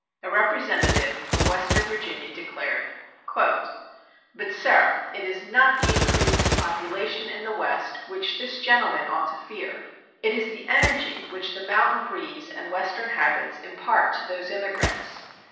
A representative from western Virginia declared: But, sir, it is not the increase of population in the West which this gentleman ought to fear. It is the energy which the mountain breeze and western habits impart to those emigrants.